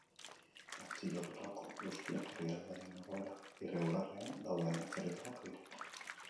Atxilotutako guztiak herrialdean egoera irregularrean dauden atzerritarrak dira.